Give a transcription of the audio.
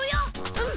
うん！